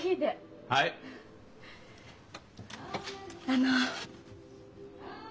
あの。